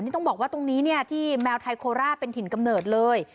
นี่ต้องบอกว่าตรงนี้เนี่ยที่แมวไทยโคราชเป็นถิ่นกำเนิดเลย